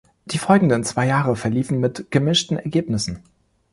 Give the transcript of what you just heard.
Die folgenden zwei Jahre verliefen mit gemischten Ergebnissen.